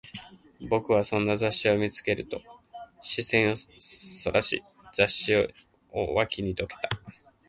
僕はそんな雑誌を見つけると、視線を外し、雑誌を脇にどけた